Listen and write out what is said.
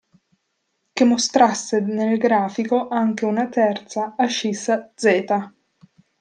Che mostrasse nel grafico anche una terza ascissa z.